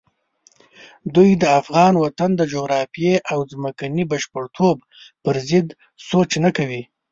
دوی د افغان وطن د جغرافیې او ځمکني بشپړتوب پرضد سوچ نه کوي.